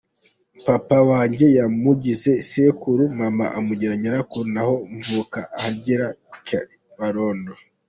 Papa wanjye yamugize sekuru, Mama amugira Nyirakuru naho mvuka ahagira i Kabarondo.